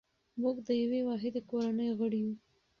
موږ د یوې واحدې کورنۍ غړي یو.